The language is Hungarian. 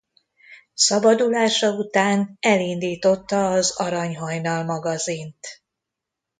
Szabadulása után elindította az Arany Hajnal magazint.